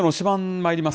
まいります。